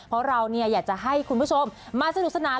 เพราะเราอยากจะให้คุณผู้ชมมาสนุกสนาน